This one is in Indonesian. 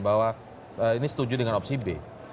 bahwa ini setuju dengan opsi b